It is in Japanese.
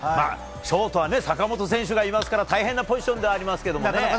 ショートは坂本選手がいますから大変なポジションではありますけどもね。